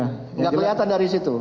nggak kelihatan dari situ